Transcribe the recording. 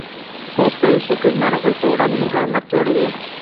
خوب د شکر ناروغۍ پر وړاندې مقاومت جوړوي